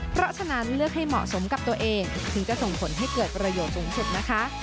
เพราะฉะนั้นเลือกให้เหมาะสมกับตัวเองถึงจะส่งผลให้เกิดประโยชน์สูงสุดนะคะ